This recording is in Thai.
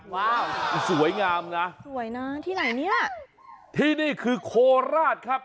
ว้าวสวยงามนะสวยนะที่ไหนเนี่ยที่นี่คือโคราชครับ